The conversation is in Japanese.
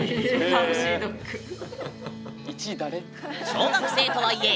小学生とはいえ